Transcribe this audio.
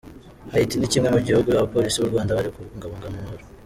Haiti ni kimwe mu bihugu abapolisi b’u Rwanda bari kubungabunga mo amahoro.